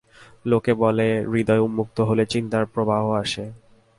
লোকে বলে হৃদয় উন্মুক্ত হলে চিন্তার প্রবাহ আসে।